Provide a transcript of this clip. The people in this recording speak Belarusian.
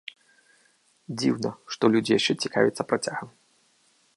Дзіўна, што людзі яшчэ цікавяцца працягам.